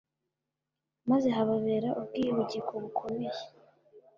maze hababera ubwihugiko bukomeye